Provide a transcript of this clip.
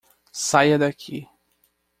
Saia daqui.